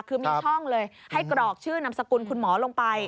คือมีช่องเลยให้กรอกชื่อนามสกุลคุณหมอลงไป